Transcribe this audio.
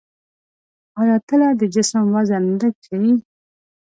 آیا تله د جسم وزن لږ ښيي؟